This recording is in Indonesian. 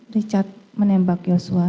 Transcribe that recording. richard menembak joshua